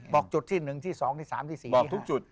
จุดที่๑ที่๒ที่๓ที่๔ทุกจุด